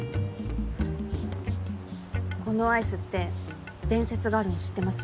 このアイスって伝説があるの知ってます？